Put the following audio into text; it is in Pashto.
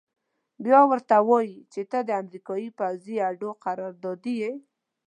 بيا ورته وايي چې ته د امريکايي پوځي اډو قراردادي يې.